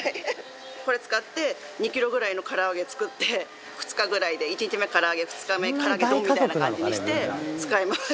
これ使って２キロぐらいの唐揚げ作って２日ぐらいで１日目唐揚げ２日目唐揚げ丼みたいな感じにして使い回して。